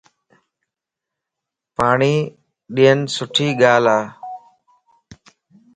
پاڻين ڏين سٽي ڳال ا